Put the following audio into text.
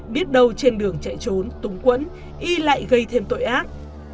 biết đâu trên đường chạy trốn túng quẫn y lại gây thêm tội ác